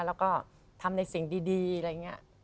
แล้วก็ทำในสิ่งดีอะไรอย่างนี้